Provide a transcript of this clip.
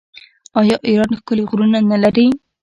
آیا ایران ښکلي غرونه نلري؟